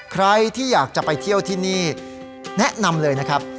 ใครที่อยากจะไปเที่ยวที่นี่แนะนำเลยนะครับ